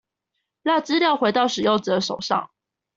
讓資料回到使用者手上